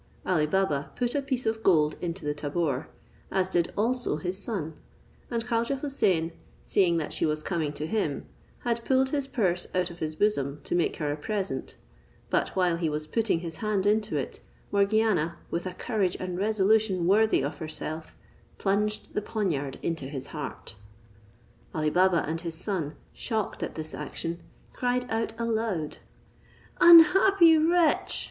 Ali Baba put a piece of gold into the tabor, as did also his son; and Khaujeh Houssain seeing that she was coming to him, had pulled his purse out of his bosom to make her a present; but while he was putting his hand into it, Morgiana, with a courage and resolution worthy of herself, plunged the poniard into his heart. Ali Baba and his son, shocked at this action, cried out aloud. "Unhappy wretch!"